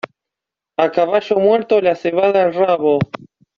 A caballo muerto, la cebada al rabo.